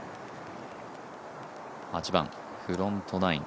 ８番、フロントナイン